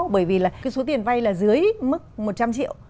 bởi vì là cái số tiền vay là dưới mức một trăm linh triệu